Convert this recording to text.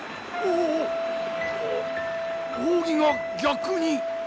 お扇が逆に。